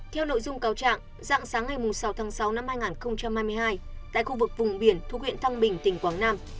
theo nội dung cáo trạng dạng sáng ngày sáu tháng sáu năm hai nghìn hai mươi hai tại khu vực vùng biển thu quyện thăng bình tỉnh quảng nam